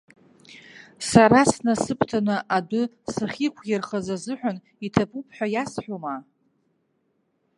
Сара снасыԥданы адәы сахьықәирхаз азыҳәан иҭабуп ҳәа иасҳәома?!